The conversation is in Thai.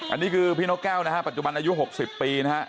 อันนี้คือพี่นกแก้วนะฮะปัจจุบันอายุ๖๐ปีนะฮะ